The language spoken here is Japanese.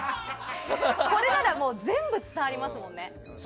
これなら全部伝わりますもんね。